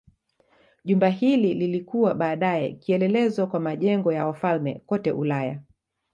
Jumba hili lilikuwa baadaye kielelezo kwa majengo ya wafalme kote Ulaya.